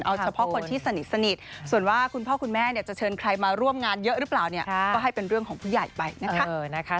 เอาเฉพาะคนที่สนิทส่วนว่าคุณพ่อคุณแม่เนี่ยจะเชิญใครมาร่วมงานเยอะหรือเปล่าเนี่ยก็ให้เป็นเรื่องของผู้ใหญ่ไปนะคะ